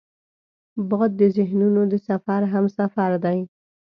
باد د ذهنونو د سفر همسفر دی